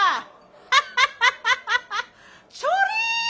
ハハハハハハッ！